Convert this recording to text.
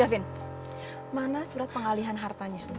gavine mana surat pengalihan hartanya